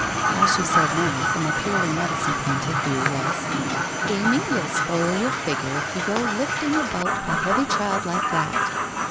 All she said now, from a purely meddlesome point of view, was: ' Amy, you'll spoil your figure if you go lifting about a heavy child like that.